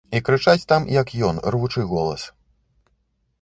І крычаць там, як ён, рвучы голас.